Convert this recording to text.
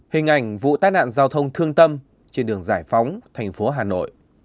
hình ảnh vụ tai nạn giao thông thương tâm trên đường giải phóng thành phố hà nội